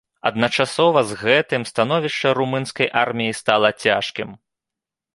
Адначасова з гэтым становішча румынскай арміі стала цяжкім.